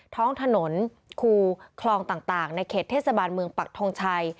ท้องถนนคูคลองต่างในเขตเทศบาลเมืองปักทงชัย